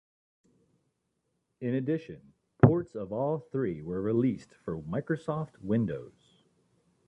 In addition, ports of all three were released for Microsoft Windows.